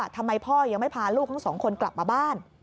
ทำไมพ่อยังไม่พาลูกทั้งสองคนกลับมาบ้าน